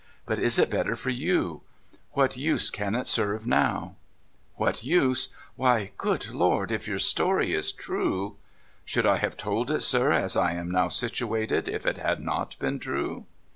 But is it better for you ? What use can it serve now ?'' What use ? Why, good Lord ! if your story is true '' Should I have told it, sir, as I am now situated, if it had not been true